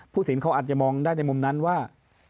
สินเขาอาจจะมองได้ในมุมนั้นว่า